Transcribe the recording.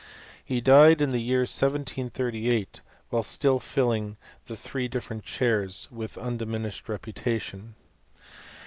He died in the year 1738, while still filling tht three different chairs with undiminished reputation.